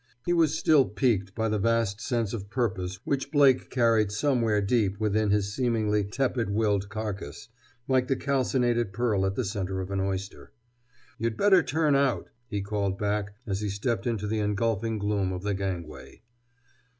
He was still piqued by the vast sense of purpose which Blake carried somewhere deep within his seemingly tepid willed carcass, like the calcinated pearl at the center of an oyster. "You'd better turn out!" he called back as he stepped into the engulfing gloom of the gangway.